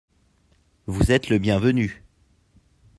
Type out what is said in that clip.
Vous êtes le bienvenu.